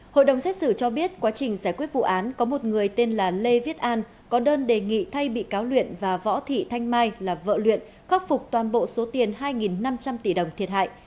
hội đồng xét xử cho biết quá trình giải quyết vụ án có một người tên là lê viết an có đơn đề nghị thay bị cáo luyện và võ thị thanh mai là vợ luyện khắc phục toàn bộ số tiền hai năm trăm linh tỷ đồng thiệt hại